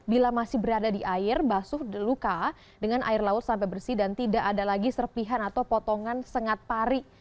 bila masih berada di air basuh luka dengan air laut sampai bersih dan tidak ada lagi serpihan atau potongan sengat pari